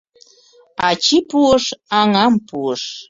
Ачий пуыш, аҥам пуыш